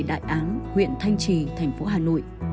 đại áng huyện thanh trì thành phố hà nội